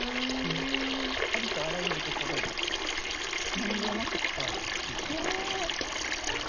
ありとあらゆるところに何気なく使われているものだと思います。